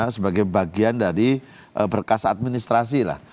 sebagai bagian dari berkas administrasi lah